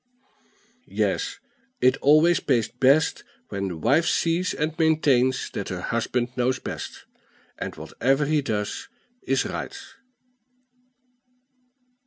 Yes, it always pays best when the wife sees and maintains that her husband knows best, and whatever he does is right.